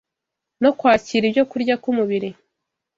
no kwakira ibyokurya k’umubiri,